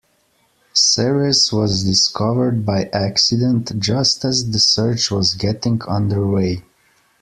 Ceres was discovered by accident just as the search was getting underway.